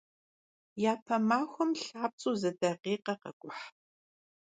Япэ махуэм лъапцӀэу зы дакъикъэ къэкӀухь.